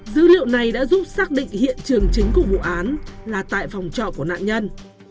dữ liệu này đã giúp xác định hiện trường chính của vụ án là tại phòng trọ của nạn nhân